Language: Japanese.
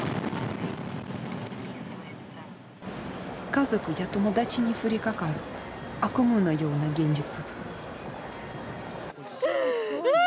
家族や友達に降りかかる悪夢のような現実。